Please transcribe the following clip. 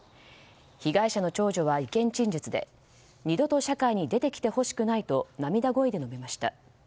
被害者の長女は意見陳述で二度と社会に出てきてほしくないと涙声で述べました。